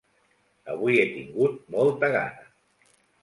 Avui he tingut molta gana.